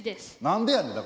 何でやねん！